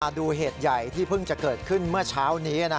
ดูเหตุใหญ่ที่เพิ่งจะเกิดขึ้นเมื่อเช้านี้